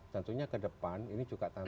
tentunya ke depan ini juga tantangan